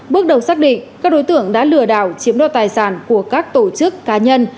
bước đầu xác định các đối tượng đã lừa đảo chiếm đoạt tài sản của các tổ chức cá nhân